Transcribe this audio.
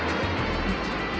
jangan makan aku